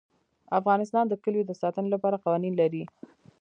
افغانستان د کلیو د ساتنې لپاره قوانین لري.